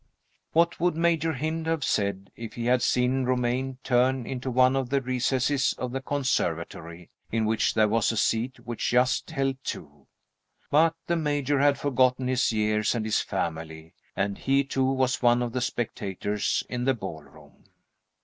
What would Major Hynd have said if he had seen Romayne turn into one of the recesses of the conservatory, in which there was a seat which just held two? But the Major had forgotten his years and his family, and he too was one of the spectators in the ballroom.